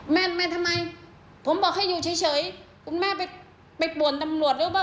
แม่แม่ทำไมผมบอกให้อยู่เฉยเฉยคุณแม่ไปไปป่วนตำหลวดรู้ป่ะ